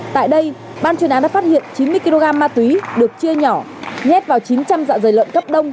tại đây ban chuyên án đã phát hiện chín mươi kg ma túy được chia nhỏ nhét vào chín trăm linh dạ dày lợn cấp đông